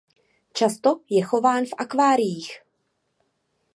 Často je chován v akváriích.